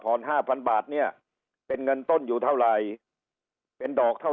๕๐๐บาทเนี่ยเป็นเงินต้นอยู่เท่าไหร่เป็นดอกเท่า